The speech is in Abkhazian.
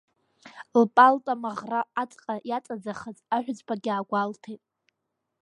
Лпалта амаӷра аҵҟьа иаҵаӡахыз аҳәызбагьы аагәалҭеит.